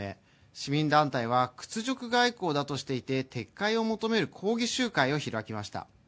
市民団体は屈辱外交だとして撤回を求める抗議集会を開きました。